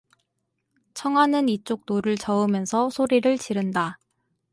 청하는 이쪽 노를 저으면서 소리를 지른다.